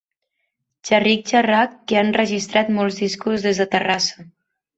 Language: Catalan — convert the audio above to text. Xerric-xerrac que ha enregistrat molts discos des de Terrassa.